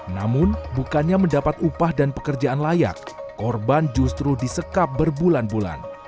namun bukannya mendapat upah dan pekerjaan layak korban justru disekap berbulan bulan